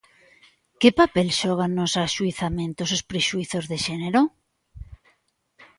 Que papel xogan nos axuizamentos os prexuízos de xénero?